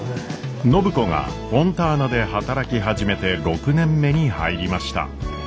暢子がフォンターナで働き始めて６年目に入りました。